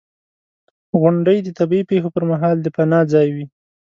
• غونډۍ د طبعي پېښو پر مهال د پناه ځای وي.